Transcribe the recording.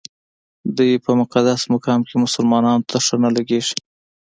دوی په مقدس مقام کې مسلمانانو ته ښه نه لګېږي.